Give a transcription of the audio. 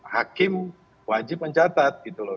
hakim wajib mencatat gitu loh